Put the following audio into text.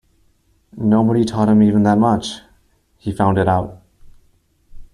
Nobody taught him even that much; he found it out.